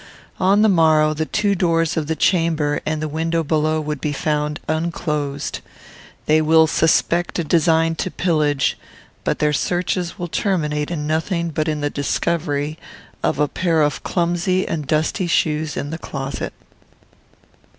On the morrow the two doors of the chamber and the window below would be found unclosed. They will suspect a design to pillage, but their searches will terminate in nothing but in the discovery of a pair of clumsy and dusty shoes in the closet.